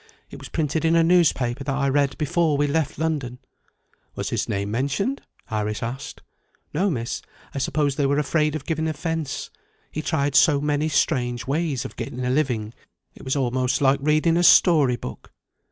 It was printed in a newspaper that I read before we left London." "Was his name mentioned?" Iris asked. "No, Miss; I suppose they were afraid of giving offence. He tried so many strange ways of getting a living it was almost like reading a story book."